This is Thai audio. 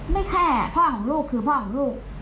ไม่แค่พ่อของลูกคือพ่อของลูก